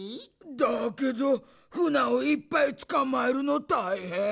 だけどフナをいっぱいつかまえるのたいへん！